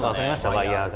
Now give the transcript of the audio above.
ワイヤーが。